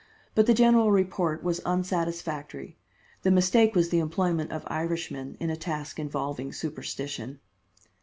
But the general report was unsatisfactory. The mistake was the employment of Irishmen in a task involving superstition.